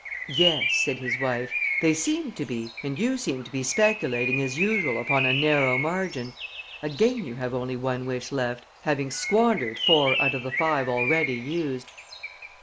"Yes," said his wife. "They seem to be and you seem to be speculating as usual upon a narrow margin. Again you have only one wish left, having squandered four out of the five already used."